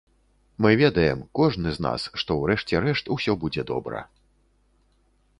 Мы ведаем, кожны з нас, што ў рэшце рэшт усё будзе добра.